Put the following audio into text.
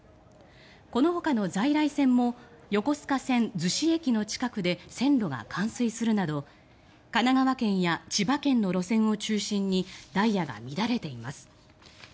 このほかの在来線も横須賀線逗子駅の近くで線路が冠水するなど神奈川県や千葉県の路線を中心にダイヤが乱れています。